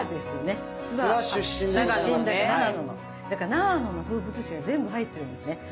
だから長野の風物詩が全部入ってるんですね。